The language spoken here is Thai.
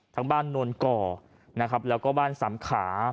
ทั้งบ้านโนนก่อแล้วก็บ้านสำขา